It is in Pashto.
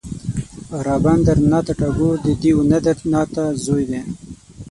رابندر ناته ټاګور د دیو ندر ناته زوی دی.